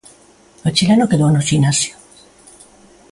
O chileno quedou no ximnasio.